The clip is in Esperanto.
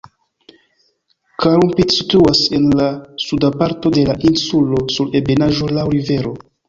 Calumpit situas en la suda parto de la insulo sur ebenaĵo laŭ rivero.